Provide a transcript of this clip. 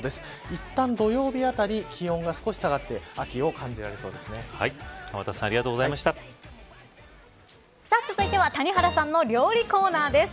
いったん、土曜日辺り気温が少し下がって天達さん続いては谷原さんの料理コーナーです。